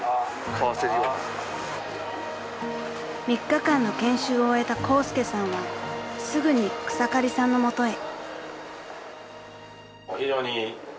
［３日間の研修を終えたコウスケさんはすぐに草刈さんの元へ］